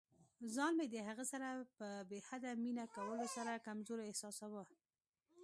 ځان مې د هغې سره په بې حده مینه کولو سره کمزوری احساساوه.